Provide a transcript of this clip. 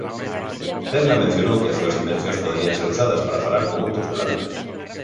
Tesla mencionou que as súas invencións poderían ser usadas para falar con outros planetas.